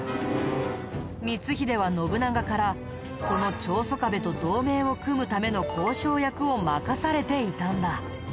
光秀は信長からその長宗我部と同盟を組むための交渉役を任されていたんだ。